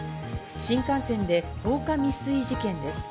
新幹線で放火未遂事件です。